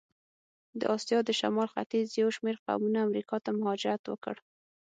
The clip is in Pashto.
د آسیا د شمال ختیځ یو شمېر قومونه امریکا ته مهاجرت وکړ.